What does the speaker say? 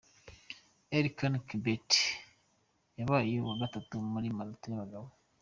Elkana Kibet yabaye uwa Gatatu muri marato y'abagabo.